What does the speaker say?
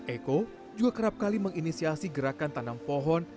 eko juga kerap kali menginisiasi gerakan tanam pohon